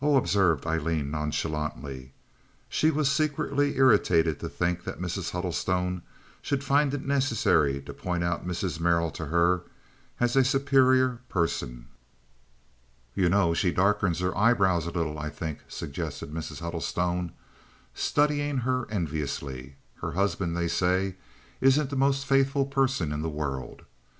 observed Aileen, nonchalantly. She was secretly irritated to think that Mrs. Huddlestone should find it necessary to point out Mrs. Merrill to her as a superior person. "You know, she darkens her eyebrows a little, I think," suggested Mrs. Huddlestone, studying her enviously. "Her husband, they say, isn't the most faithful person in the world.